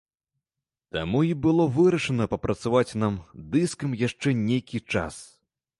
Таму і было вырашана папрацаваць нам дыскам яшчэ нейкі час.